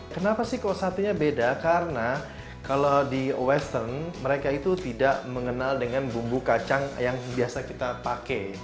kenapa sih kok satenya beda karena kalau di western mereka itu tidak mengenal dengan bumbu kacang yang biasa kita pakai